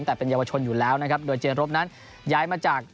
แต่เป็นเยาวชนอยู่แล้วนะครับโดยเจนรบนั้นย้ายมาจาก